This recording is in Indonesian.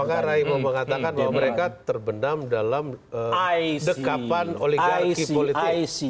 apakah rai mau mengatakan bahwa mereka terbendam dalam dekapan oligarki politik